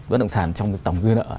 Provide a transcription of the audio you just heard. bất động sản trong tổng dư nợ